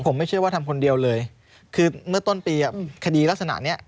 ผมไม่เชื่อว่าทำคนเดียวเลยคือเมื่อต้นปีคดีลักษณะนี้